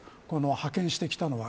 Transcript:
派遣してきたのは。